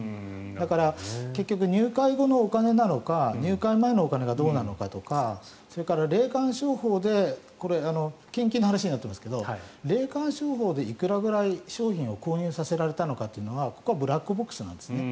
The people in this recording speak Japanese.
だから結局、入会後のお金なのか入会前のお金がどうなのかとかそれから、霊感商法で献金の話になってますけど霊感商法でいくらぐらい商品を購入させられたのかというのはここはブラックボックスなんですね。